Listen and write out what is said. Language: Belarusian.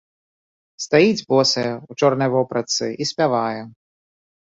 Стаіць босая, у чорнай вопратцы і спявае.